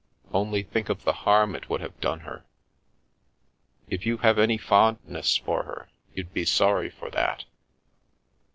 Only think of the harm it would have done her. If you have any fondness for her you'd be sorry for that.